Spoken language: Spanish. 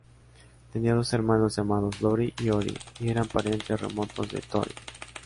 Tenía dos hermanos llamados Dori y Ori, y eran parientes remotos de Thorin.